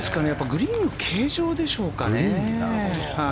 グリーンの形状でしょうかね。